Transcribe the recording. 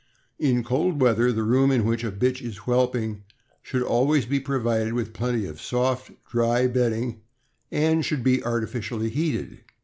In cold weather, the room in which a bitch is whelping should always be provided with plenty of soft, dry bedding, and should be artificially heated.